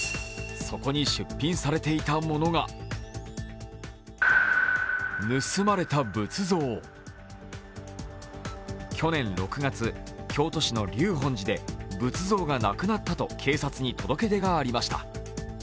そこに出品されていたものが去年６月、京都市の立本寺で仏像がなくなったと警察に届け出がありました。